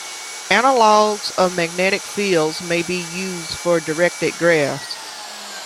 Analogues of magnetic fields may be used for directed graphs.